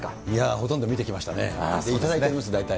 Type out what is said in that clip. ほとんど見てきましたね、頂いております、大体。